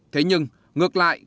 thế nhưng ngược lại